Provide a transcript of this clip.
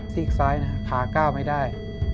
ซีกซ้ายขาก้าวไม่ได้